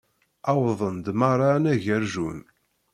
Wwḍen-d merra anagar Jun.